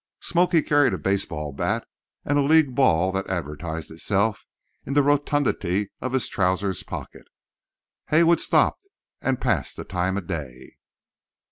"Smoky" carried a baseball bat, and a league ball that advertised itself in the rotundity of his trousers pocket. Haywood stopped and passed the time of day.